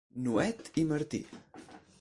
Nuet i Martí.